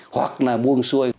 hoặc là buông xuôi